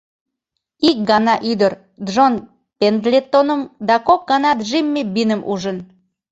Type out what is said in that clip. Ик гана ӱдыр Джон Пендлетоным да кок гана Джимми Биным ужын.